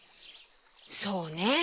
そうね。